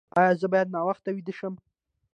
ایا زه باید ناوخته ویده شم؟